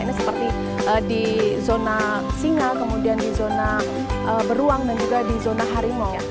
ini seperti di zona singa kemudian di zona beruang dan juga di zona harimau